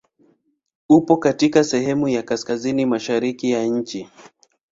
Upo katika sehemu ya kaskazini mashariki ya nchi.